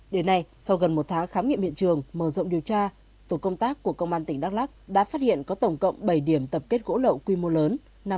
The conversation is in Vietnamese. đến nay sau gần một tháng khám nghiệm hiện trường mở rộng điều tra tổ công tác của công an tỉnh đắk lắc đã phát hiện có tổng cộng bảy điểm tập kết gỗ lậu quy mô lớn